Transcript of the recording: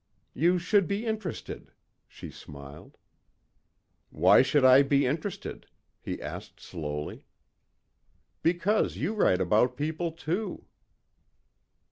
"You should be interested," she smiled. "Why should I be interested?" he asked slowly. "Because you write about people, too."